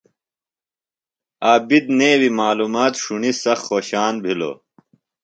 عابد نیویۡ معلومات ݜُݨی سخت خوشان بِھلوۡ۔